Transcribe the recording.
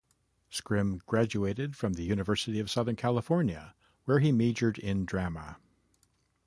Scrimm graduated from the University of Southern California, where he majored in drama.